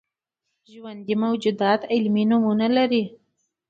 ژوندي موجودات علمي نومونه لري